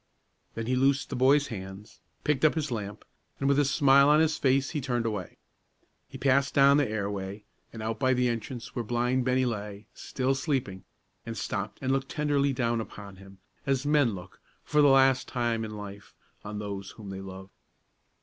Then he loosed the boy's hands, picked up his lamp, and, with a smile on his face, he turned away. He passed down the airway, and out by the entrance where blind Bennie lay, still sleeping, and stopped and looked tenderly down upon him, as men look, for the last time in life, on those whom they love.